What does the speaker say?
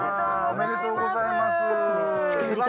おめでとうございます。